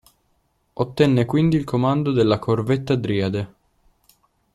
Ottenne quindi il comando della corvetta "Driade".